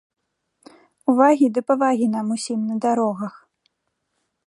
Увагі ды павагі нам усім на дарогах!